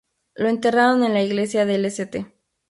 Lo enterraron en la iglesia del St.